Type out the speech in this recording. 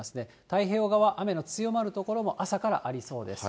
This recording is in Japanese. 太平洋側、雨の強まる所も朝からありそうです。